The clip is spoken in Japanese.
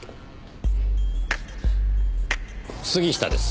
杉下です。